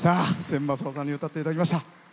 千昌夫さんに歌っていただきました。